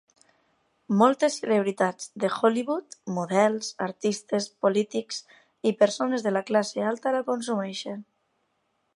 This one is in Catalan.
Moltes celebritats de Hollywood, models, artistes, polítics i persones de la classe alta la consumeixen.